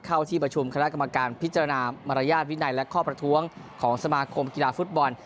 เข้าที่ประชุมคณะกรรมการพิจารณามารยาทวินัยและข้อประท้วงของสมาคมกีฬาฟุตบอล